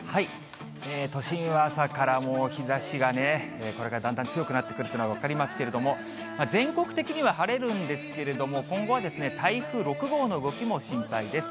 都心は朝から日ざしがね、これからだんだん強くなってくるというのが分かりますけれども、全国的には晴れるんですけれども、今後はですね、台風６号の動きも心配です。